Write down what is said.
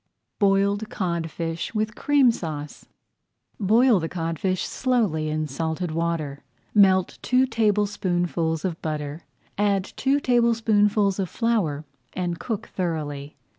BOILED CODFISH WITH CREAM SAUCE Boil the codfish slowly in salted water. Melt two tablespoonfuls of butter, add two tablespoonfuls of flour, and cook thoroughly.